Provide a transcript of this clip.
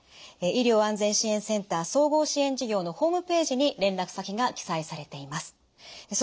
医療安全支援センター総合支援事業のホームページに連絡先が記載されています。